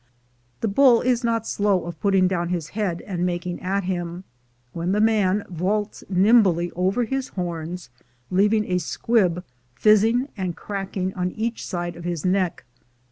The bull is not slow of putting down his head and making at him, when the man vaults nimbly over his horns, leaving a squib fizzing and cracking on each side of his neck.